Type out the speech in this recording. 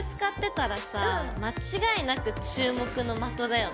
間違いなく注目の的だよね。